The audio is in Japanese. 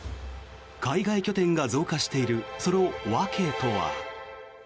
海外拠点が増加しているその訳とは。